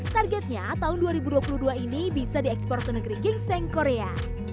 targetnya tahun dua ribu dua puluh dua ini bisa diekspor ke negeri gingseng korea